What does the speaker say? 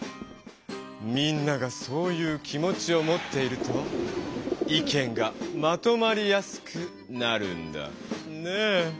みんながそういう気持ちをもっていると意見がまとまりやすくなるんだねぇ。